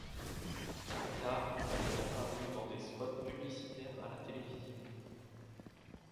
Plus tard, elle est apparue dans des spots publicitaires à la télévision.